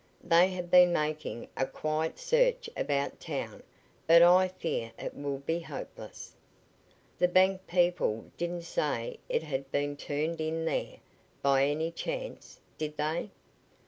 They have been making a quiet search about town, but I fear it will be hopeless." "The bank people didn't say it had been turned in there, by any chance, did they?"